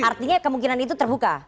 artinya kemungkinan itu terbuka